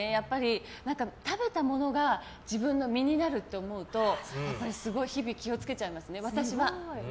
食べたものが自分の身になると思うとやっぱりすごい日々気をつけちゃいますね、私は。